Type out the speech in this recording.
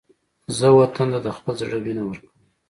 زه وطن ته د خپل زړه وینه ورکوم